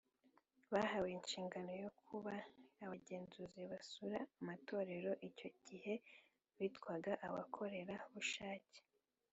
Bahawe inshingano yo kuba abagenzuzi basura amatorero icyo gihe bitwaga abakorara bushacye